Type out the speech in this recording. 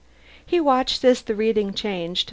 He watched as the reading changed.